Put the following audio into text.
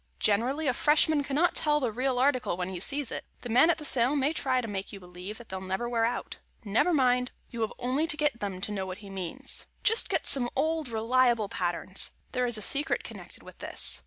Generally, a Freshman cannot tell the real article when he sees it. The man at the sale may try to make you believe they'll never wear out. Never mind. You have only to get them to know what he means. Just get some old, reliable patterns. There is a secret connected with this.